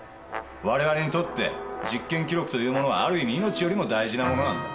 我々にとって実験記録というものはある意味命よりも大事なものなんだ。